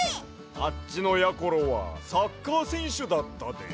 あっちのやころはサッカーせんしゅだったで。